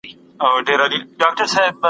د کلتور له نظره د ټولني پرمختګ کومي لاري لري؟